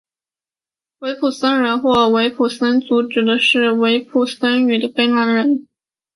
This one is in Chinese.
维普森人或维普森族是指讲维普森语的芬兰人。